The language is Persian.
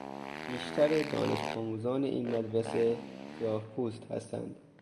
بیشتر دانش آموزان این مدرسه سیاهپوست هستند.